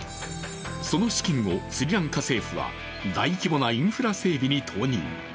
その資金をスリランカ政府は大規模なインフラ整備に投入。